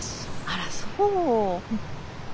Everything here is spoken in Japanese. あらそう。